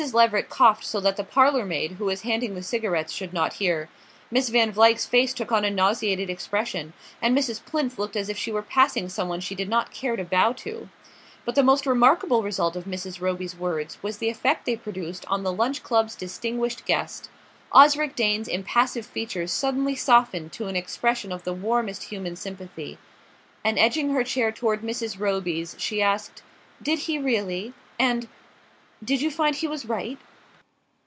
Leveret coughed so that the parlour maid, who was handing the cigarettes, should not hear; Miss Van Vluyck's face took on a nauseated expression, and Mrs. Plinth looked as if she were passing some one she did not care to bow to. But the most remarkable result of Mrs. Roby's words was the effect they produced on the Lunch Club's distinguished guest. Osric Dane's impassive features suddenly softened to an expression of the warmest human sympathy, and edging her chair toward Mrs. Roby's she asked: "Did he really? And did you find he was right?"